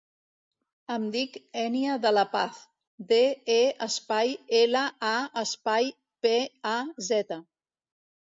Em dic Ènia De La Paz: de, e, espai, ela, a, espai, pe, a, zeta.